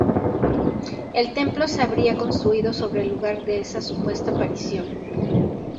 El templo se habría construido sobre el lugar de esa supuesta aparición.